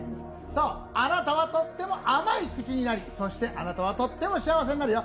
そう、あなたはとっても甘い口になりそしてあなたはとっても幸せになるよ。